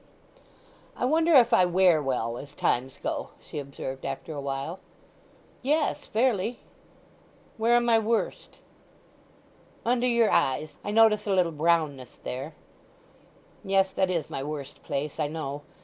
"I wonder if I wear well, as times go!" she observed after a while. "Yes—fairly. "Where am I worst?" "Under your eyes—I notice a little brownness there." "Yes. That is my worst place, I know.